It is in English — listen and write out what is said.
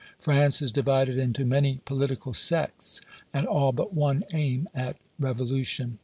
France is divided into many political sects, and all but one aim at revolution.